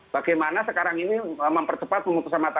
bagaimana sekarang ini mempercepat pemutusan mata